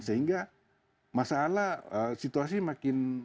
sehingga masalah situasi makin